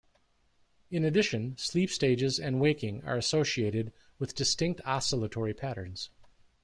In addition, sleep stages and waking are associated with distinct oscillatory patterns.